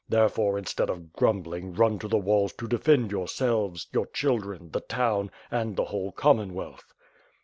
Therefore, instead of grumbling, run to the walls to defend yourselves, your children, the town, and the whole Commonwealth."